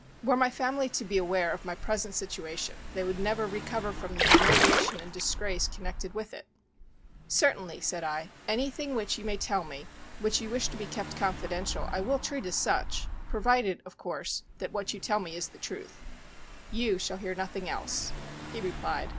Were my family to be aware of my present situation they would never recover from the humiliation and disgrace connected with it." "Certainly," said I, "anything which you may tell me which you wish to be kept confidential I will treat as such, provided, of course, that what you tell me is the truth." "You shall hear nothing else," he replied.